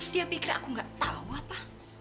dia pikir aku gak tahu apa